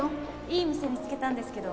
いい店見つけたんですけど